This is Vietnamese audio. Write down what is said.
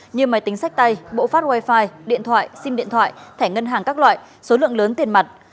như máy tính sách tay bộ phát wifi điện thoại sim điện thoại thẻ ngân hàng các loại số lượng lớn tiền mặt